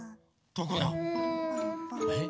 どこだ？えっ？